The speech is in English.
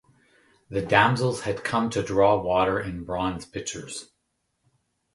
The damsels had come to draw water in bronze pitchers.